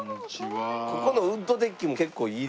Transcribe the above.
ここのウッドデッキも結構いいです。